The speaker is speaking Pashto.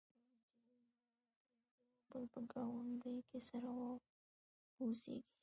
ښه به وي چې دوی د یو بل په ګاونډ کې سره واوسيږي.